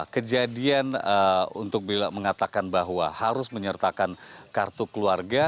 kejadian untuk mengatakan bahwa harus menyertakan kartu keluarga